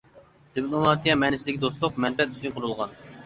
دىپلوماتىيە مەنىسىدىكى دوستلۇق مەنپەئەت ئۈستىگە قۇرۇلغان!!!